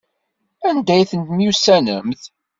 Anda ay temyussanemt?